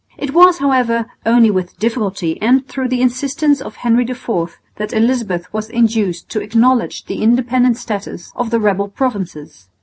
It was, however, only with difficulty and through the insistence of Henry IV that Elizabeth was induced to acknowledge the independent status of the rebel provinces.